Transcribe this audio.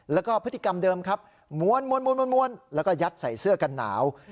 แล้วก็พฤติกรรมเดิมครับม้วนแล้วก็ยัดใส่เสื้อกันหนาว